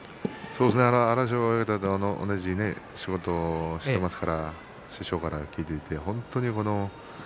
荒汐親方と同じ仕事をしていますので師匠から話を聞いています。